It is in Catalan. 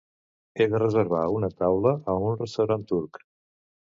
He de reservar una taula a un restaurant turc.